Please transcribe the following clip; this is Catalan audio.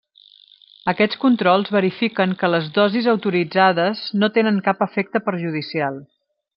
Aquests controls verifiquen que les dosis autoritzades no tenen cap efecte perjudicial.